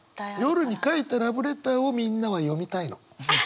夜に書いたラブレターをみんなは読みたいの。